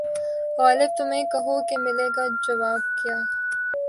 غالبؔ تمہیں کہو کہ ملے گا جواب کیا